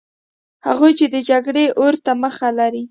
هغوی چې د جګړې اور ته مخه لري.